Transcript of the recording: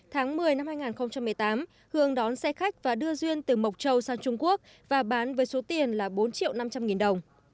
tháng một mươi năm hai nghìn một mươi tám hương đón xe khách và đưa duyên từ mộc châu sang trung quốc và bán với số tiền là bốn triệu năm trăm linh nghìn đồng